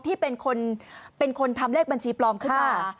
ที่เป็นคนทำเลขบัญชีปลอมขึ้นมา